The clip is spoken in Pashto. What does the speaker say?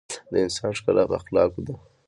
د انسان ښکلا په اخلاقو ده.